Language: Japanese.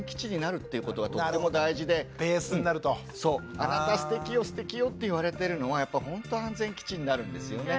あなたステキよステキよって言われてるのはやっぱほんと安全基地になるんですよね。